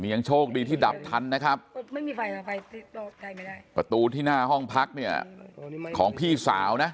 ยังโชคดีที่ดับทันนะครับประตูที่หน้าห้องพักเนี่ยของพี่สาวนะ